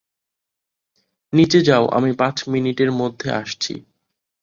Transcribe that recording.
নিচে যাও, আমি পাঁচ মিনিটের মধ্যে আসছি।